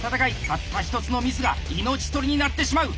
たった一つのミスが命取りになってしまう。